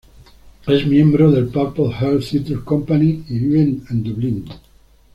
Es miembro del Purple Heart Theatre Company y vive en Dublín.